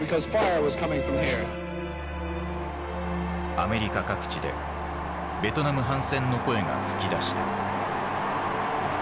アメリカ各地でベトナム反戦の声が噴き出した。